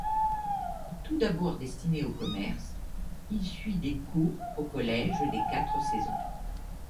Tout d'abord destiné au commerce, il suit des cours au collège des Quatre-Nations.